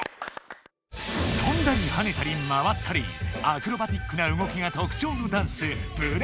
とんだりはねたり回ったりアクロバティックな動きがとくちょうのダンス